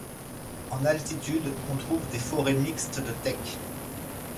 En altitude on trouve des forêts mixtes de teck.